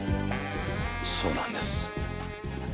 そうなんです。